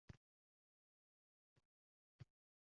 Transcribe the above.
Soch olayotganda ehtiyotkorlik bilan ish tutish kerak.